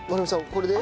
これで？